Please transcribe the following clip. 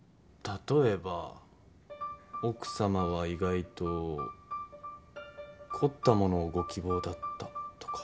例えば奥様は意外と凝ったものをご希望だったとか？